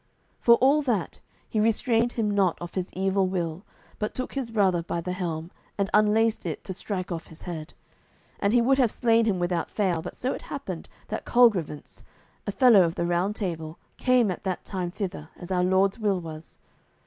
For all that, he restrained him not of his evil will, but took his brother by the helm, and unlaced it to strike off his head. And he would have slain him without fail, but so it happened that Colgrevance, a fellow of the Round Table, came at that time thither, as our Lord's will was.